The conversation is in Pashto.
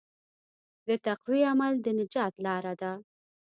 د تقوی عمل د نجات لاره ده.